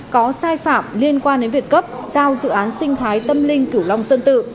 có sai phạm liên quan đến việc cấp giao dự án sinh thái tâm linh kiểu long sơn tử